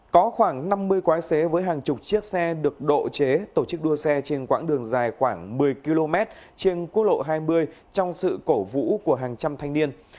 có khoảng năm mươi quái xế với hàng chục chiếc xe được độ chế tổ chức đua xe trên quãng đường dài khoảng một mươi km trên quốc lộ hai mươi trong sự cổ vũ của hàng trăm thanh niên